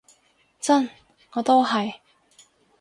真，我都係